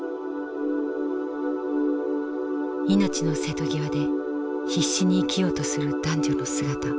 命の瀬戸際で必死に生きようとする男女の姿。